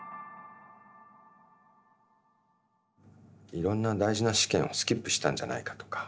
いろんな大事な試験をスキップしたんじゃないかとか。